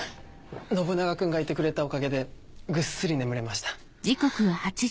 信長君がいてくれたおかげでぐっすり眠れました。